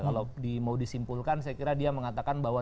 kalau mau disimpulkan saya kira dia mengatakan bahwa